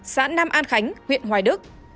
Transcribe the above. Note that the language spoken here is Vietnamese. xã nam an khánh huyện hoài đức